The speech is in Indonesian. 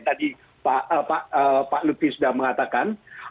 tadi pak lutfi sudah mengatakan